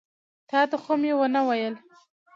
تا ته خو مې ونه ویل.